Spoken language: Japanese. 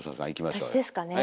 私ですかね。